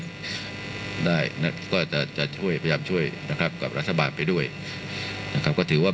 ทรงมีลายพระราชกระแสรับสู่ภาคใต้